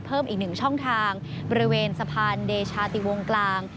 เพิ่มอีกหนึ่งช่องทางบริเวณสะพานเดชาติวงกลาง